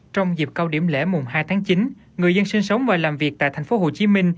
trong dịp cao điểm lễ mùng hai tháng chín người dân sinh sống và làm việc tại tp hcm